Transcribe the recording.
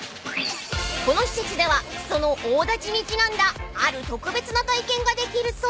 ［この施設ではその大太刀にちなんだある特別な体験ができるそう］